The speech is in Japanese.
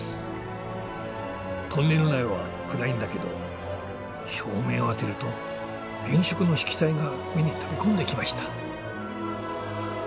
トンネル内は暗いんだけど照明を当てると原色の色彩が目に飛び込んできました。